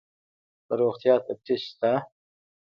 د روغتیا تفتیش شته؟